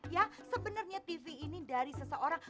ya sebenarnya tv ini dari seseorang